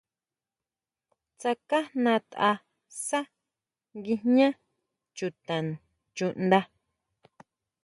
Tsakjajnataʼsa guijñá chuta chuʼnda.